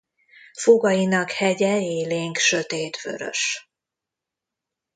Fogainak hegye élénk sötétvörös.